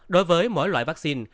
đối với mỗi loại vaccine